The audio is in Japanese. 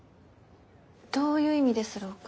どういう意味ですろうか？